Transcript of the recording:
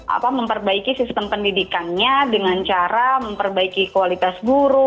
apa memperbaiki sistem pendidikannya dengan cara memperbaiki kualitas guru